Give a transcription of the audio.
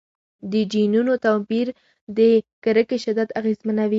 د جینونو توپیر د کرکې شدت اغېزمنوي.